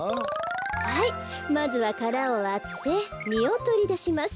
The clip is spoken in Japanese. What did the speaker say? はいまずはからをわってみをとりだします。